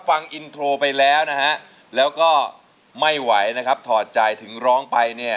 ฟังอินโทรไปแล้วนะฮะแล้วก็ไม่ไหวนะครับถอดใจถึงร้องไปเนี่ย